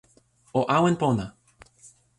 o awen pona!